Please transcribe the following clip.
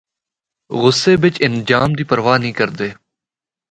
غصے بچ انجام دی پرواہ نیں کردے۔